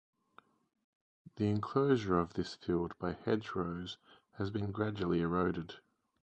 The enclosure of this field by hedgerows has been gradually eroded.